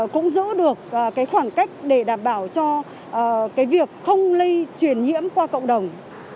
cũng giữ được cái khoảng cách để đảm bảo cho cái việc không lây truyền nhiễm qua cộng đồng